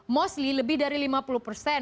mostly lebih dari lima puluh persen